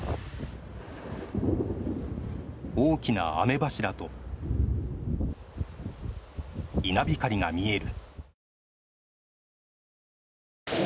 大きな雨柱と、稲光が見える。